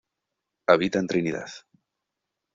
Habita en Trinidad.